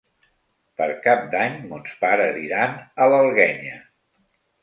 Per Cap d'Any mons pares iran a l'Alguenya.